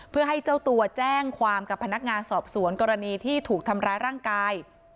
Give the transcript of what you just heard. เพื่อให้เจ้าตัวแจ้งความกับพนักงานสอบสวนกรณีที่ถูกทำร้ายร่างกาย